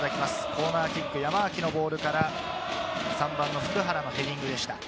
コーナーキック、山脇のボールから３番の普久原のヘディングでした。